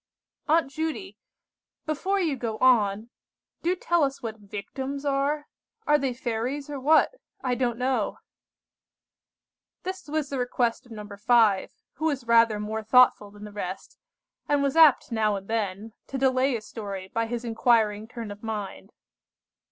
"Aunt Judy, before you go on, do tell us what victims are? Are they fairies, or what? I don't know." This was the request of No. 5, who was rather more thoughtful than the rest, and was apt now and then to delay a story by his inquiring turn of mind.